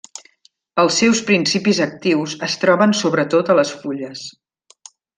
Els seus principis actius es troben sobretot a les fulles.